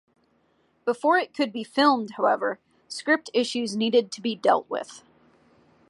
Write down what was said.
Before it could be filmed, however, script issues needed to be dealt with.